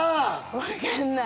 わかんない。